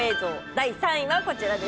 第３位はこちらです。